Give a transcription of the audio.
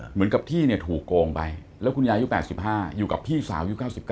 เหมือนกับที่เนี่ยถูกโกงไปแล้วคุณยายุค๘๕อยู่กับพี่สาวยุค๙๙